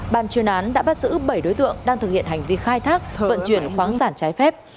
ban chuyên án đã bắt giữ bảy đối tượng đang thực hiện hành vi khai thác vận chuyển khoáng sản trái phép